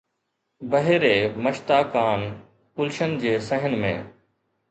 بهر مشتاقان گلشن جي صحن ۾